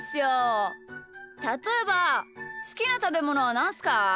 たとえばすきなたべものはなんすか？